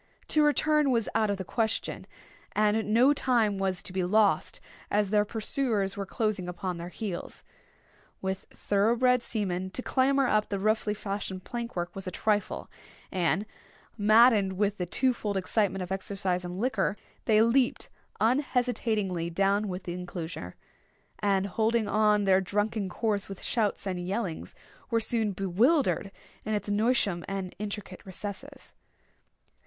To return was out of the question, and no time was to be lost, as their pursuers were close upon their heels. With thorough bred seamen to clamber up the roughly fashioned plank work was a trifle; and, maddened with the twofold excitement of exercise and liquor, they leaped unhesitatingly down within the enclosure, and holding on their drunken course with shouts and yellings, were soon bewildered in its noisome and intricate recesses.